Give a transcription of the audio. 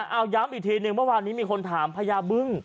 เอาย้ำอีกทีหนึ่งเมื่อวานนี้มีคนถามพญาบึ้ง